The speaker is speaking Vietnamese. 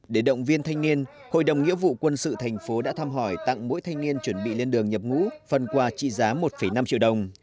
để động viên thanh niên hội đồng nghĩa vụ quân sự thành phố đã thăm hỏi tặng mỗi thanh niên chuẩn bị lên đường nhập ngũ phần quà trị giá một năm triệu đồng